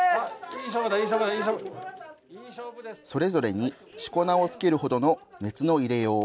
それぞれにしこ名を付けるほどの熱の入れよう。